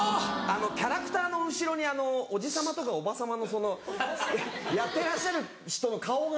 キャラクターの後ろにおじ様とかおば様のやってらっしゃる人の顔が。